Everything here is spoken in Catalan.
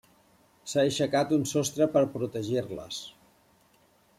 S'ha aixecat un sostre per protegir-les.